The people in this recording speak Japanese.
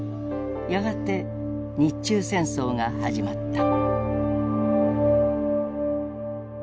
やがて日中戦争が始まった。